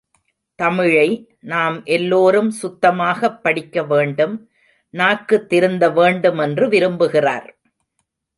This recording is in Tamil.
தமிழை நாம் எல்லோரும் சுத்தமாகப் படிக்க வேண்டும், நாக்கு திருந்த வேண்டுமென்று விரும்புகிறார்.